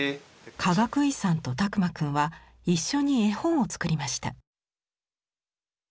かがくいさんと拓万くんは一緒に絵本を作りました。